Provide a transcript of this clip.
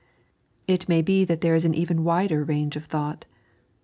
It may be that there is an even wider range of thought.